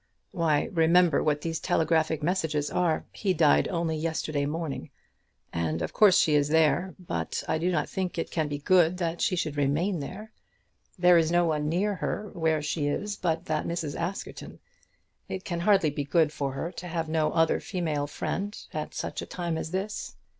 Why, remember what these telegraphic messages are. He died only on yesterday morning. Of course she is there, but I do not think it can be good that she should remain there. There is no one near her where she is but that Mrs. Askerton. It can hardly be good for her to have no other female friend at such a time as this."